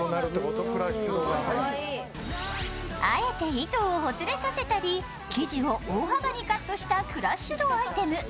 あえて糸をほつれさせたり生地を大幅にカットしたクラッシュドアイテム。